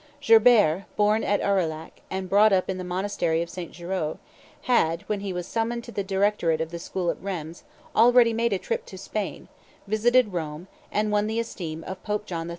Gerbert, born at Aurillac, and brought up in the monastery of St. Geraud, had, when he was summoned to the directorate of the school of Rheims, already made a trip to Spain, visited Rome, and won the esteem of Pope John XIII.